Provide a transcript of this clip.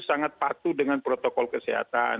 sangat patuh dengan protokol kesehatan